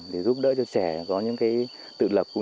để giúp đỡ cho trẻ có những cái tự lập